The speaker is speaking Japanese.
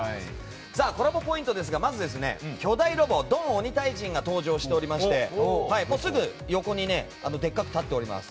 コラボポイントですがまず巨大ロボドンオニタイジンが登場しておりましてすぐ横にね、でっかく立っております。